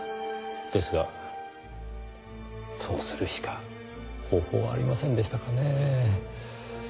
ですがそうするしか方法はありませんでしたかねぇ。